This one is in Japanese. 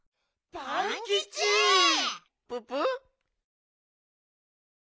ププ？